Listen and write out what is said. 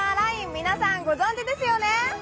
皆さん、ご存じですよね。